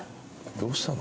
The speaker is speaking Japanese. どうしたの？